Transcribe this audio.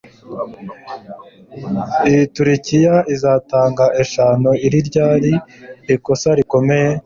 Iyi turkiya izatanga eshanu Iri ryari ikosa rikomeye